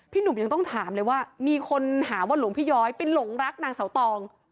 หนุ่มยังต้องถามเลยว่ามีคนหาว่าหลวงพี่ย้อยไปหลงรักนางเสาตอง